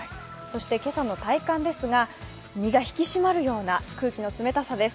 今朝の体感ですが身が引き締まるような空気の冷たさです。